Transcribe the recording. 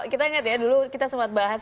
kita ingat ya dulu kita sempat bahas